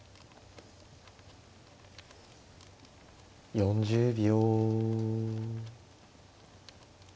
４０秒。